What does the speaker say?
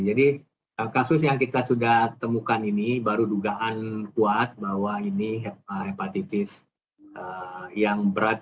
jadi kasus yang kita sudah temukan ini baru dugaan kuat bahwa ini hepatitis yang berat